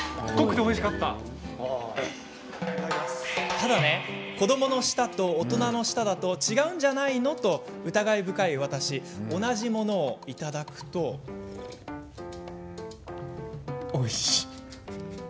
ただ、子どもの舌と大人の舌だと違うんじゃないの？と、疑り深い私同じものをいただきました。